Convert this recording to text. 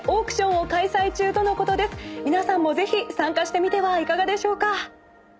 皆さんもぜひ参加してみてはいかがでしょうか？